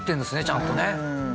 ちゃんとね。